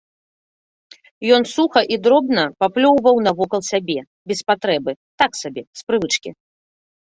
Ён суха і дробна паплёўваў навокал сябе, без патрэбы, так сабе, з прывычкі.